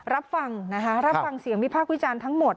รับฟังเสียงวิพาควิจารณ์ทั้งหมด